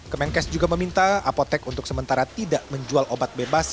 kemenkes juga meminta apotek untuk sementara tidak menjual obat bebas